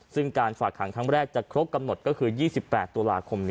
ซึ่งการฝากขังครั้งแรกจะครบกำหนดก็คือ๒๘ตุลาคม